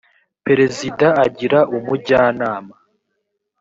perezida agira umujyanama.